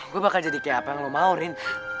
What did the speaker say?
gue bakal jadi kaya apa yang lo mau rin